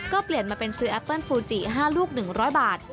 ก็เปลี่ยนมาเป็นซื้อแอปเปิ้ลฟูจิ๕ลูก๑๐๐บาท